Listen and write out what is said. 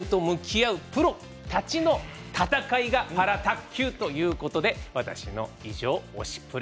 弱点と向き合うプロたちの戦いがパラ卓球ということで私の、以上、「推しプレ！」